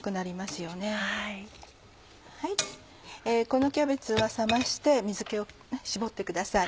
このキャベツは冷まして水気を絞ってください。